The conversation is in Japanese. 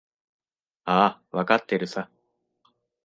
ああ、わかってるさ。